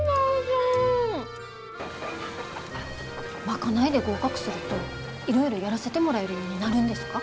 賄いで合格するといろいろやらせてもらえるようになるんですか？